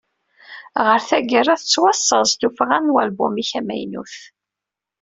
Ɣer taggara, tettwasaẓ tuffɣa n walbum-ik amaynut.